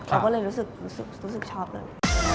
เราก็เลยรู้สึกชอบเลย